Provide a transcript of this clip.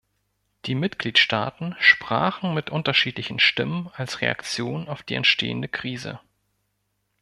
Die Mitgliedstaaten sprachen mit unterschiedlichen Stimmen als Reaktion auf die entstehende Krise.